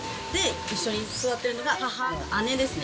一緒に座っているのが母の姉ですね。